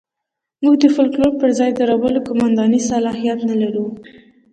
موږ د فوکلور پر ځای درولو قوماندې صلاحیت نه لرو.